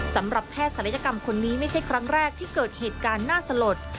สำหรับแพทย์ศัลยกรรมคนนี้ไม่ใช่ครั้งแรกที่เกิดเหตุการณ์น่าสลด